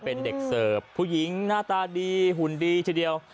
เป็นเด็กเสิร์ฟผู้หญิงหน้าตาดีหุ่นดีทีเดียว